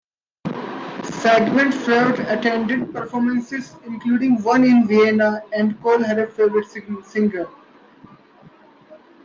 Sigmund Freud attended performances, including one in Vienna, and called her a favorite singer.